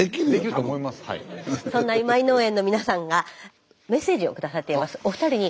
そんな今井農園の皆さんがメッセージを下さっています。